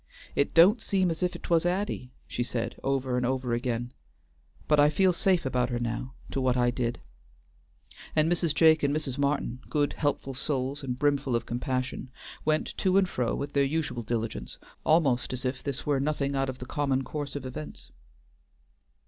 "It don't seem as if 'twas Addy," she said over and over again, "but I feel safe about her now, to what I did," and Mrs. Jake and Mrs. Martin, good helpful souls and brimful of compassion, went to and fro with their usual diligence almost as if this were nothing out of the common course of events.